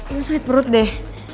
ini sakit perut deh